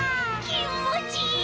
きんもちいい！